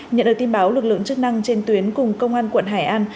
nhận được tin báo lực lượng chức năng trên tuyến cùng công an quận hải an